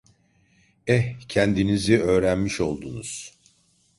Eh, kendinizi öğrenmiş oldunuz.